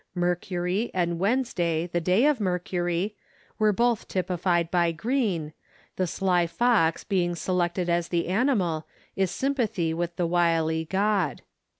Mercury, and Wednesday, the day of Mercury, were both typified by green, the sly fox being selected as the animal is sympathy with the wily god.